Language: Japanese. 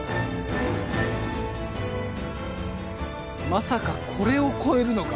まさかこれを超えるのか？